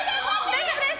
大丈夫です。